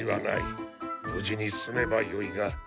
ぶじに済めばよいが。